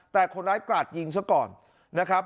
แต่คนร้ายกราดยิงซะก่อนนะครับ